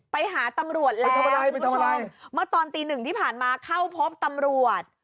ไปหาตำรวจแล้วเมื่อตอนตีหนึ่งที่ผ่านมาเข้าพบตำรวจ